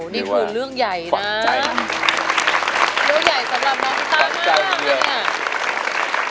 นี่คือเรื่องใหญ่นะเรื่องใหญ่สำหรับน้องกีต้ามากเนี่ย